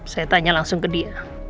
saya tanya langsung ke dia